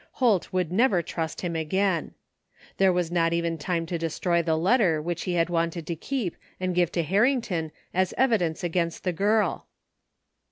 Holt would never trust him again. There was not even time to destroy the letter which he had wanted to keep and give to Harrington as evidence against the girl.